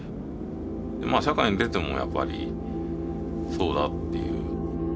社会に出てもやっぱりそうだっていう。